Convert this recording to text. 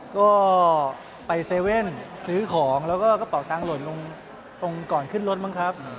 ก็ไปเซเว่นซื้อของแล้วก็กระเป๋าตังค์หล่นลงตรงก่อนขึ้นรถบ้างครับ